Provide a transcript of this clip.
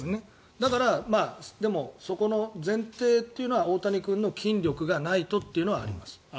だから、でもその前提というのは大谷君の筋力がないとというのはあります。